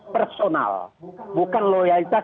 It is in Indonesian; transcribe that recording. personal bukan loyalitas